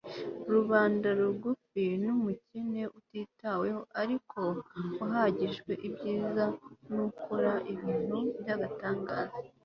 rubanda rugufi n'umukene, utitaweho ariko wahagijwe ibyiza n'ukora ibintu by'agatangaza